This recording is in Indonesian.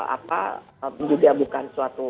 apa juga bukan suatu